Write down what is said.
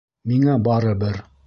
Миңә барыбер.